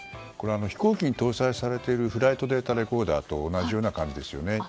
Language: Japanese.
飛行機に搭載されているフライトデータレコーダーと同じような感じですよね。